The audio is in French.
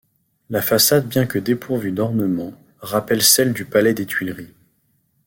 La façade bien que dépourvue d'ornements, rappelle celle du Palais des Tuileries.